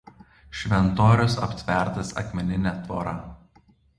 Šventorius aptvertas akmenine tvora.